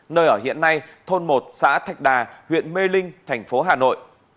nơi ở hiện nay thôn một xã thạch đà huyện mê linh tp hà nội